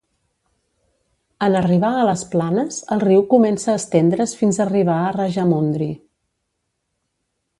En arribar a les planes, el riu comença a estendre's fins a arribar a Rajamundry.